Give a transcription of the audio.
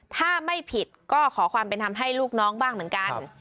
ถ้าไม่ผิดก็ขอความเป็นธรรมให้ลูกน้องบ้างเหมือนกัน